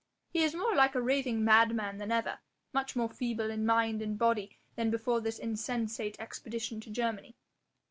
He is more like a raving madman than ever, much more feeble in mind and body than before this insensate expedition to Germany."